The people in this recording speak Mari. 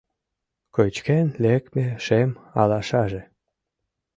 Кычкен лекме шем алашаже